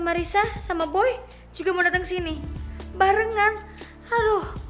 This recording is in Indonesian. kata marissa sama boy juga mau dateng ke sini barengan aduh